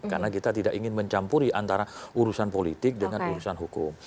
karena kita tidak ingin mencampuri antara urusan politik dengan urusan hukum